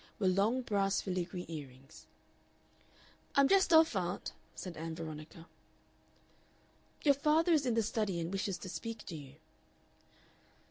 were long brass filigree earrings. "I'm just off, aunt," said Ann Veronica. "Your father is in the study and wishes to speak to you."